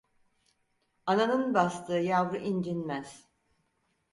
Ananın bastığı yavru incinmez.